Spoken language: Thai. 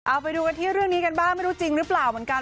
เอาไปดูกันที่เรื่องนี้กันบ้างไม่รู้จริงหรือเปล่าเหมือนกัน